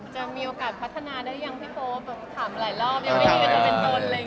จะมีโอกาสพัฒนาได้ยังพี่โป๊บถามหลายรอบยังไม่มีคนเป็นคน